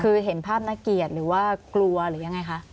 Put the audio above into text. คือเห็นภาพน่าเกลียดหรือว่ากลัวหรือยังไงคะ